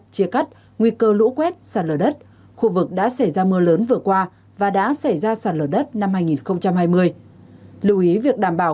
chia cắt nguy cơ lũ quét sàn lở đất khu vực đã xảy ra mưa lớn vừa qua và đã xảy ra sàn lở đất năm hai nghìn hai mươi